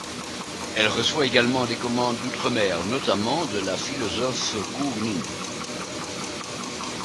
Elle reçoit également des commandes d'outre-mer, notamment de la philosophe Kuu Nim.